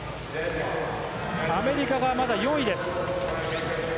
アメリカはまだ４位です。